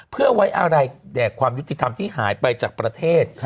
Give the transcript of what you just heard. เพื่อไว้อะไรแด่ความยุติธรรมที่หายไปจากประเทศ